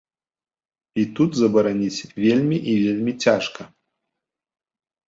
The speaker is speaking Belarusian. І тут забараніць вельмі і вельмі цяжка.